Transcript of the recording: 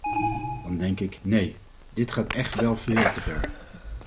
Dan denk ik: nee, dit gaat echt wel veel te ver.